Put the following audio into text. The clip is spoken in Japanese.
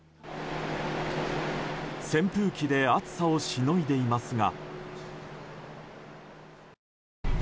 扇風機で暑さをしのいでいますが。